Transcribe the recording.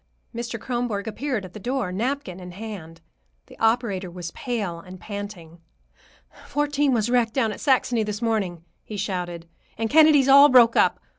Mr. Kronborg appeared at the door, napkin in hand. The operator was pale and panting. "Fourteen was wrecked down at Saxony this morning," he shouted, "and Kennedy's all broke up.